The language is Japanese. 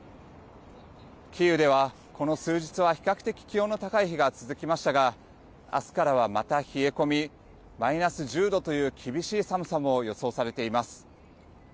キーウでは、この数日は比較的気温の高い日が続きましたが明日からは、また冷え込みマイナス１０度という厳しい寒さも予想されています。